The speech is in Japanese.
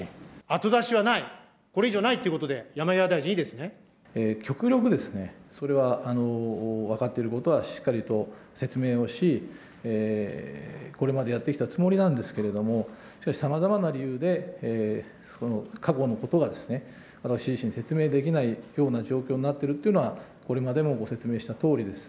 後出しはない、これ以上ないって極力ですね、それは分かってることは、しっかりと説明をし、これまでやってきたつもりなんですけれども、しかし、さまざまな理由で、過去のことは、真摯に説明できないような状況になっているということは、これまでもご説明したとおりです。